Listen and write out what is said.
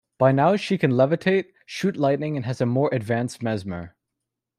By now she can levitate, shoot lightning and has a more advanced mesmer.